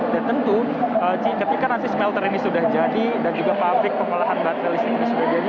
dan tentu ketika nanti smelter ini sudah jadi dan juga pabrik pengolahan baterai listrik ini sudah jadi